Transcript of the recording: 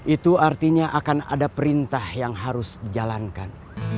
itu artinya akan ada perintah yang harus dijalankan